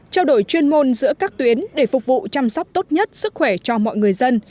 trao đổi chuyên môn giữa các tuyến để phục vụ chăm sóc tốt nhất sức khỏe cho mọi người dân